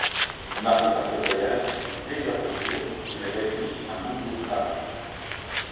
Marqués par ce voyage, dès leur retour, ils rédigent un nouveau tract.